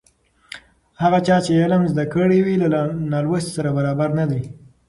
هغه چا چې علم زده کړی وي له نالوستي سره برابر نه دی.